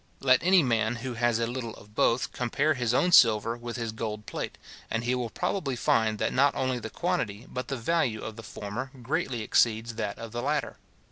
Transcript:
Let any man, who has a little of both, compare his own silver with his gold plate, and he will probably find, that not only the quantity, but the value of the former, greatly exceeds that of the latter.